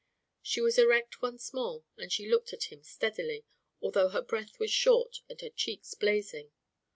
She was erect once more and she looked at him steadily, although her breath was short and her cheeks blazing.